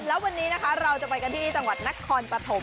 แล้ววันนี้นะคะเราจะไปกันที่จังหวัดนครปฐม